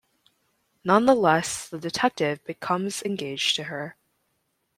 Nonetheless, the detective becomes engaged to her.